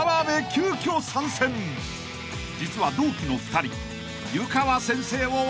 ［実は同期の２人］